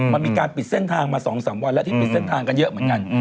มันมีการปิดเส้นทางมา๒๓วันแล้วที่ปิดเส้นทางกันเยอะเหมือนกัน